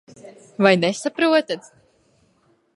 Vai nesaprotat?